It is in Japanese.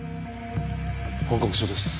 報告書です。